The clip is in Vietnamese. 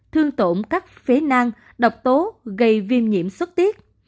thương tổn các phế nang độc tố gây viêm nhiễm xuất tiết